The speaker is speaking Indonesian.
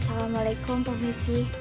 assalamualaikum pak misi